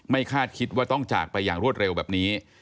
คาดคิดว่าต้องจากไปอย่างรวดเร็วแบบนี้